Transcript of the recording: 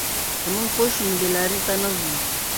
که موږ پوه شو، نو بې لارۍ ته نه ځو.